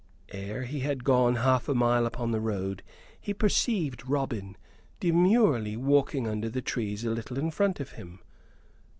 Ere he had gone half a mile upon the road he perceived Robin demurely walking under the trees a little in front of him.